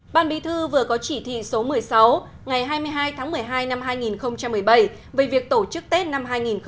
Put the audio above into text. ban bí thư vừa có chỉ thị số một mươi sáu ngày hai mươi hai tháng một mươi hai năm hai nghìn một mươi bảy về việc tổ chức tết năm hai nghìn một mươi chín